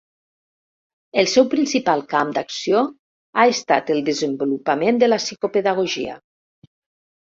El seu principal camp d'acció ha estat el desenvolupament de la psicopedagogia.